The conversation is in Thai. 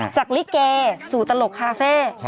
ลิเกสู่ตลกคาเฟ่